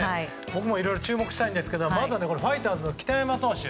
僕もいろいろ注目したいんですがまずはファイターズの北山投手。